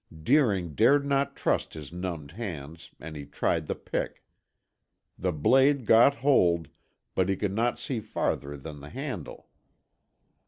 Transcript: Deering dared not trust his numbed hands and he tried the pick. The blade got hold, but he could not see farther than the handle.